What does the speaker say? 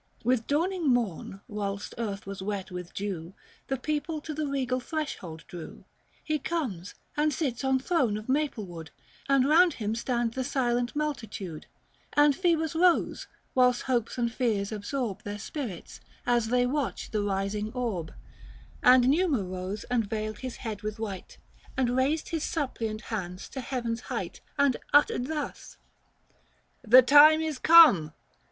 With dawning morn, whilst earth' was wet with dew, The people to the regal threshold drew ; He comes, and sits on throne of maplewood, 385 And round him stand the silent multitude : And Phoebus rose, whilst hopes and fears absorb Their spirits, as they watch the rising orb ; And Numa rose and veiled his head with white, He raised his suppliant hands to heaven's height 390 And uttered thus :—" The time is come